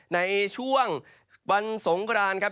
ในช่วงวันสงกรานครับ